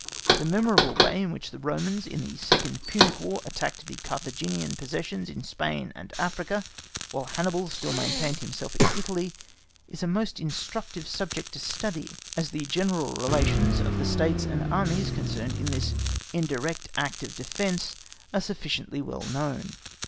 The memorable way in which the Romans in the second Punic War attacked the Carthaginan possessions in Spain and Africa, while Hannibal still maintained himself in Italy, is a most instructive subject to study, as the general relations of the States and Armies concerned in this indirect act of defence are sufficiently well known.